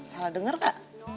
salah denger gak